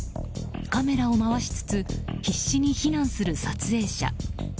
カメラを回しつつ必死に避難する撮影者。